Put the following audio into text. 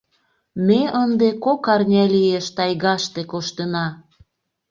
Ме ынде кок арня лиеш тайгаште коштына.